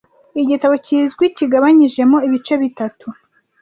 Igitabo kizwi kigabanyijemo ibice bitatu